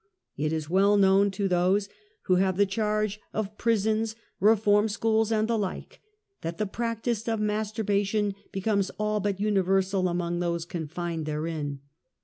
"It is well known to those who have charge of pris ons, reform schools, and the like, that the practice of masturbation becomes all but universal among those confined therein.